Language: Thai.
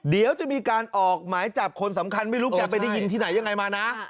เดี๋ยวจะมีการออกหมายจับคนสำคัญไม่รู้แกไปได้ยินที่ไหนยังไงมานะ